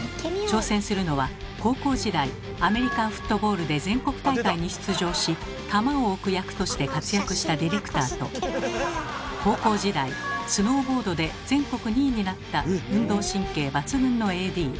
挑戦するのは高校時代アメリカンフットボールで全国大会に出場し球を置く役として活躍したディレクターと高校時代スノーボードで全国２位になった運動神経抜群のＡＤ。